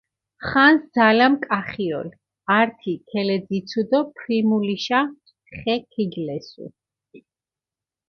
ხანს ძალამქ ახიოლ, ართი ქელეძიცუ დო ფრიმულიშა ხე ქიგლესუ.